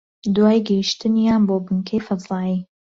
دوای گەیشتنیان بۆ بنکەی فەزایی